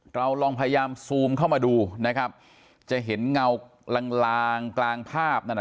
เราลองพยายามซูมเข้ามาดูนะครับจะเห็นเงาลางลางกลางภาพนั่นน่ะ